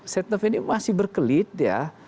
setnov ini masih berkelit ya